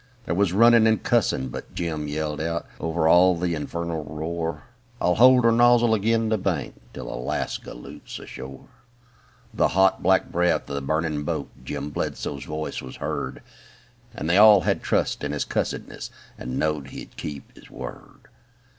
There was runnin' and cursin', but Jim yelled out Over all the infernal roar, ^ I'll hold her nozzle agin the bank Till the last galoot's ashore." Through the hot black breath of the burnin' boat Jim Bludso's voice was heard. And they all had trust in his cussedness, And know he would keep his word.